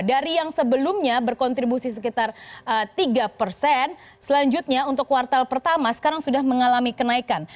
dari yang sebelumnya berkontribusi sekitar tiga persen selanjutnya untuk kuartal pertama sekarang sudah mengalami kenaikan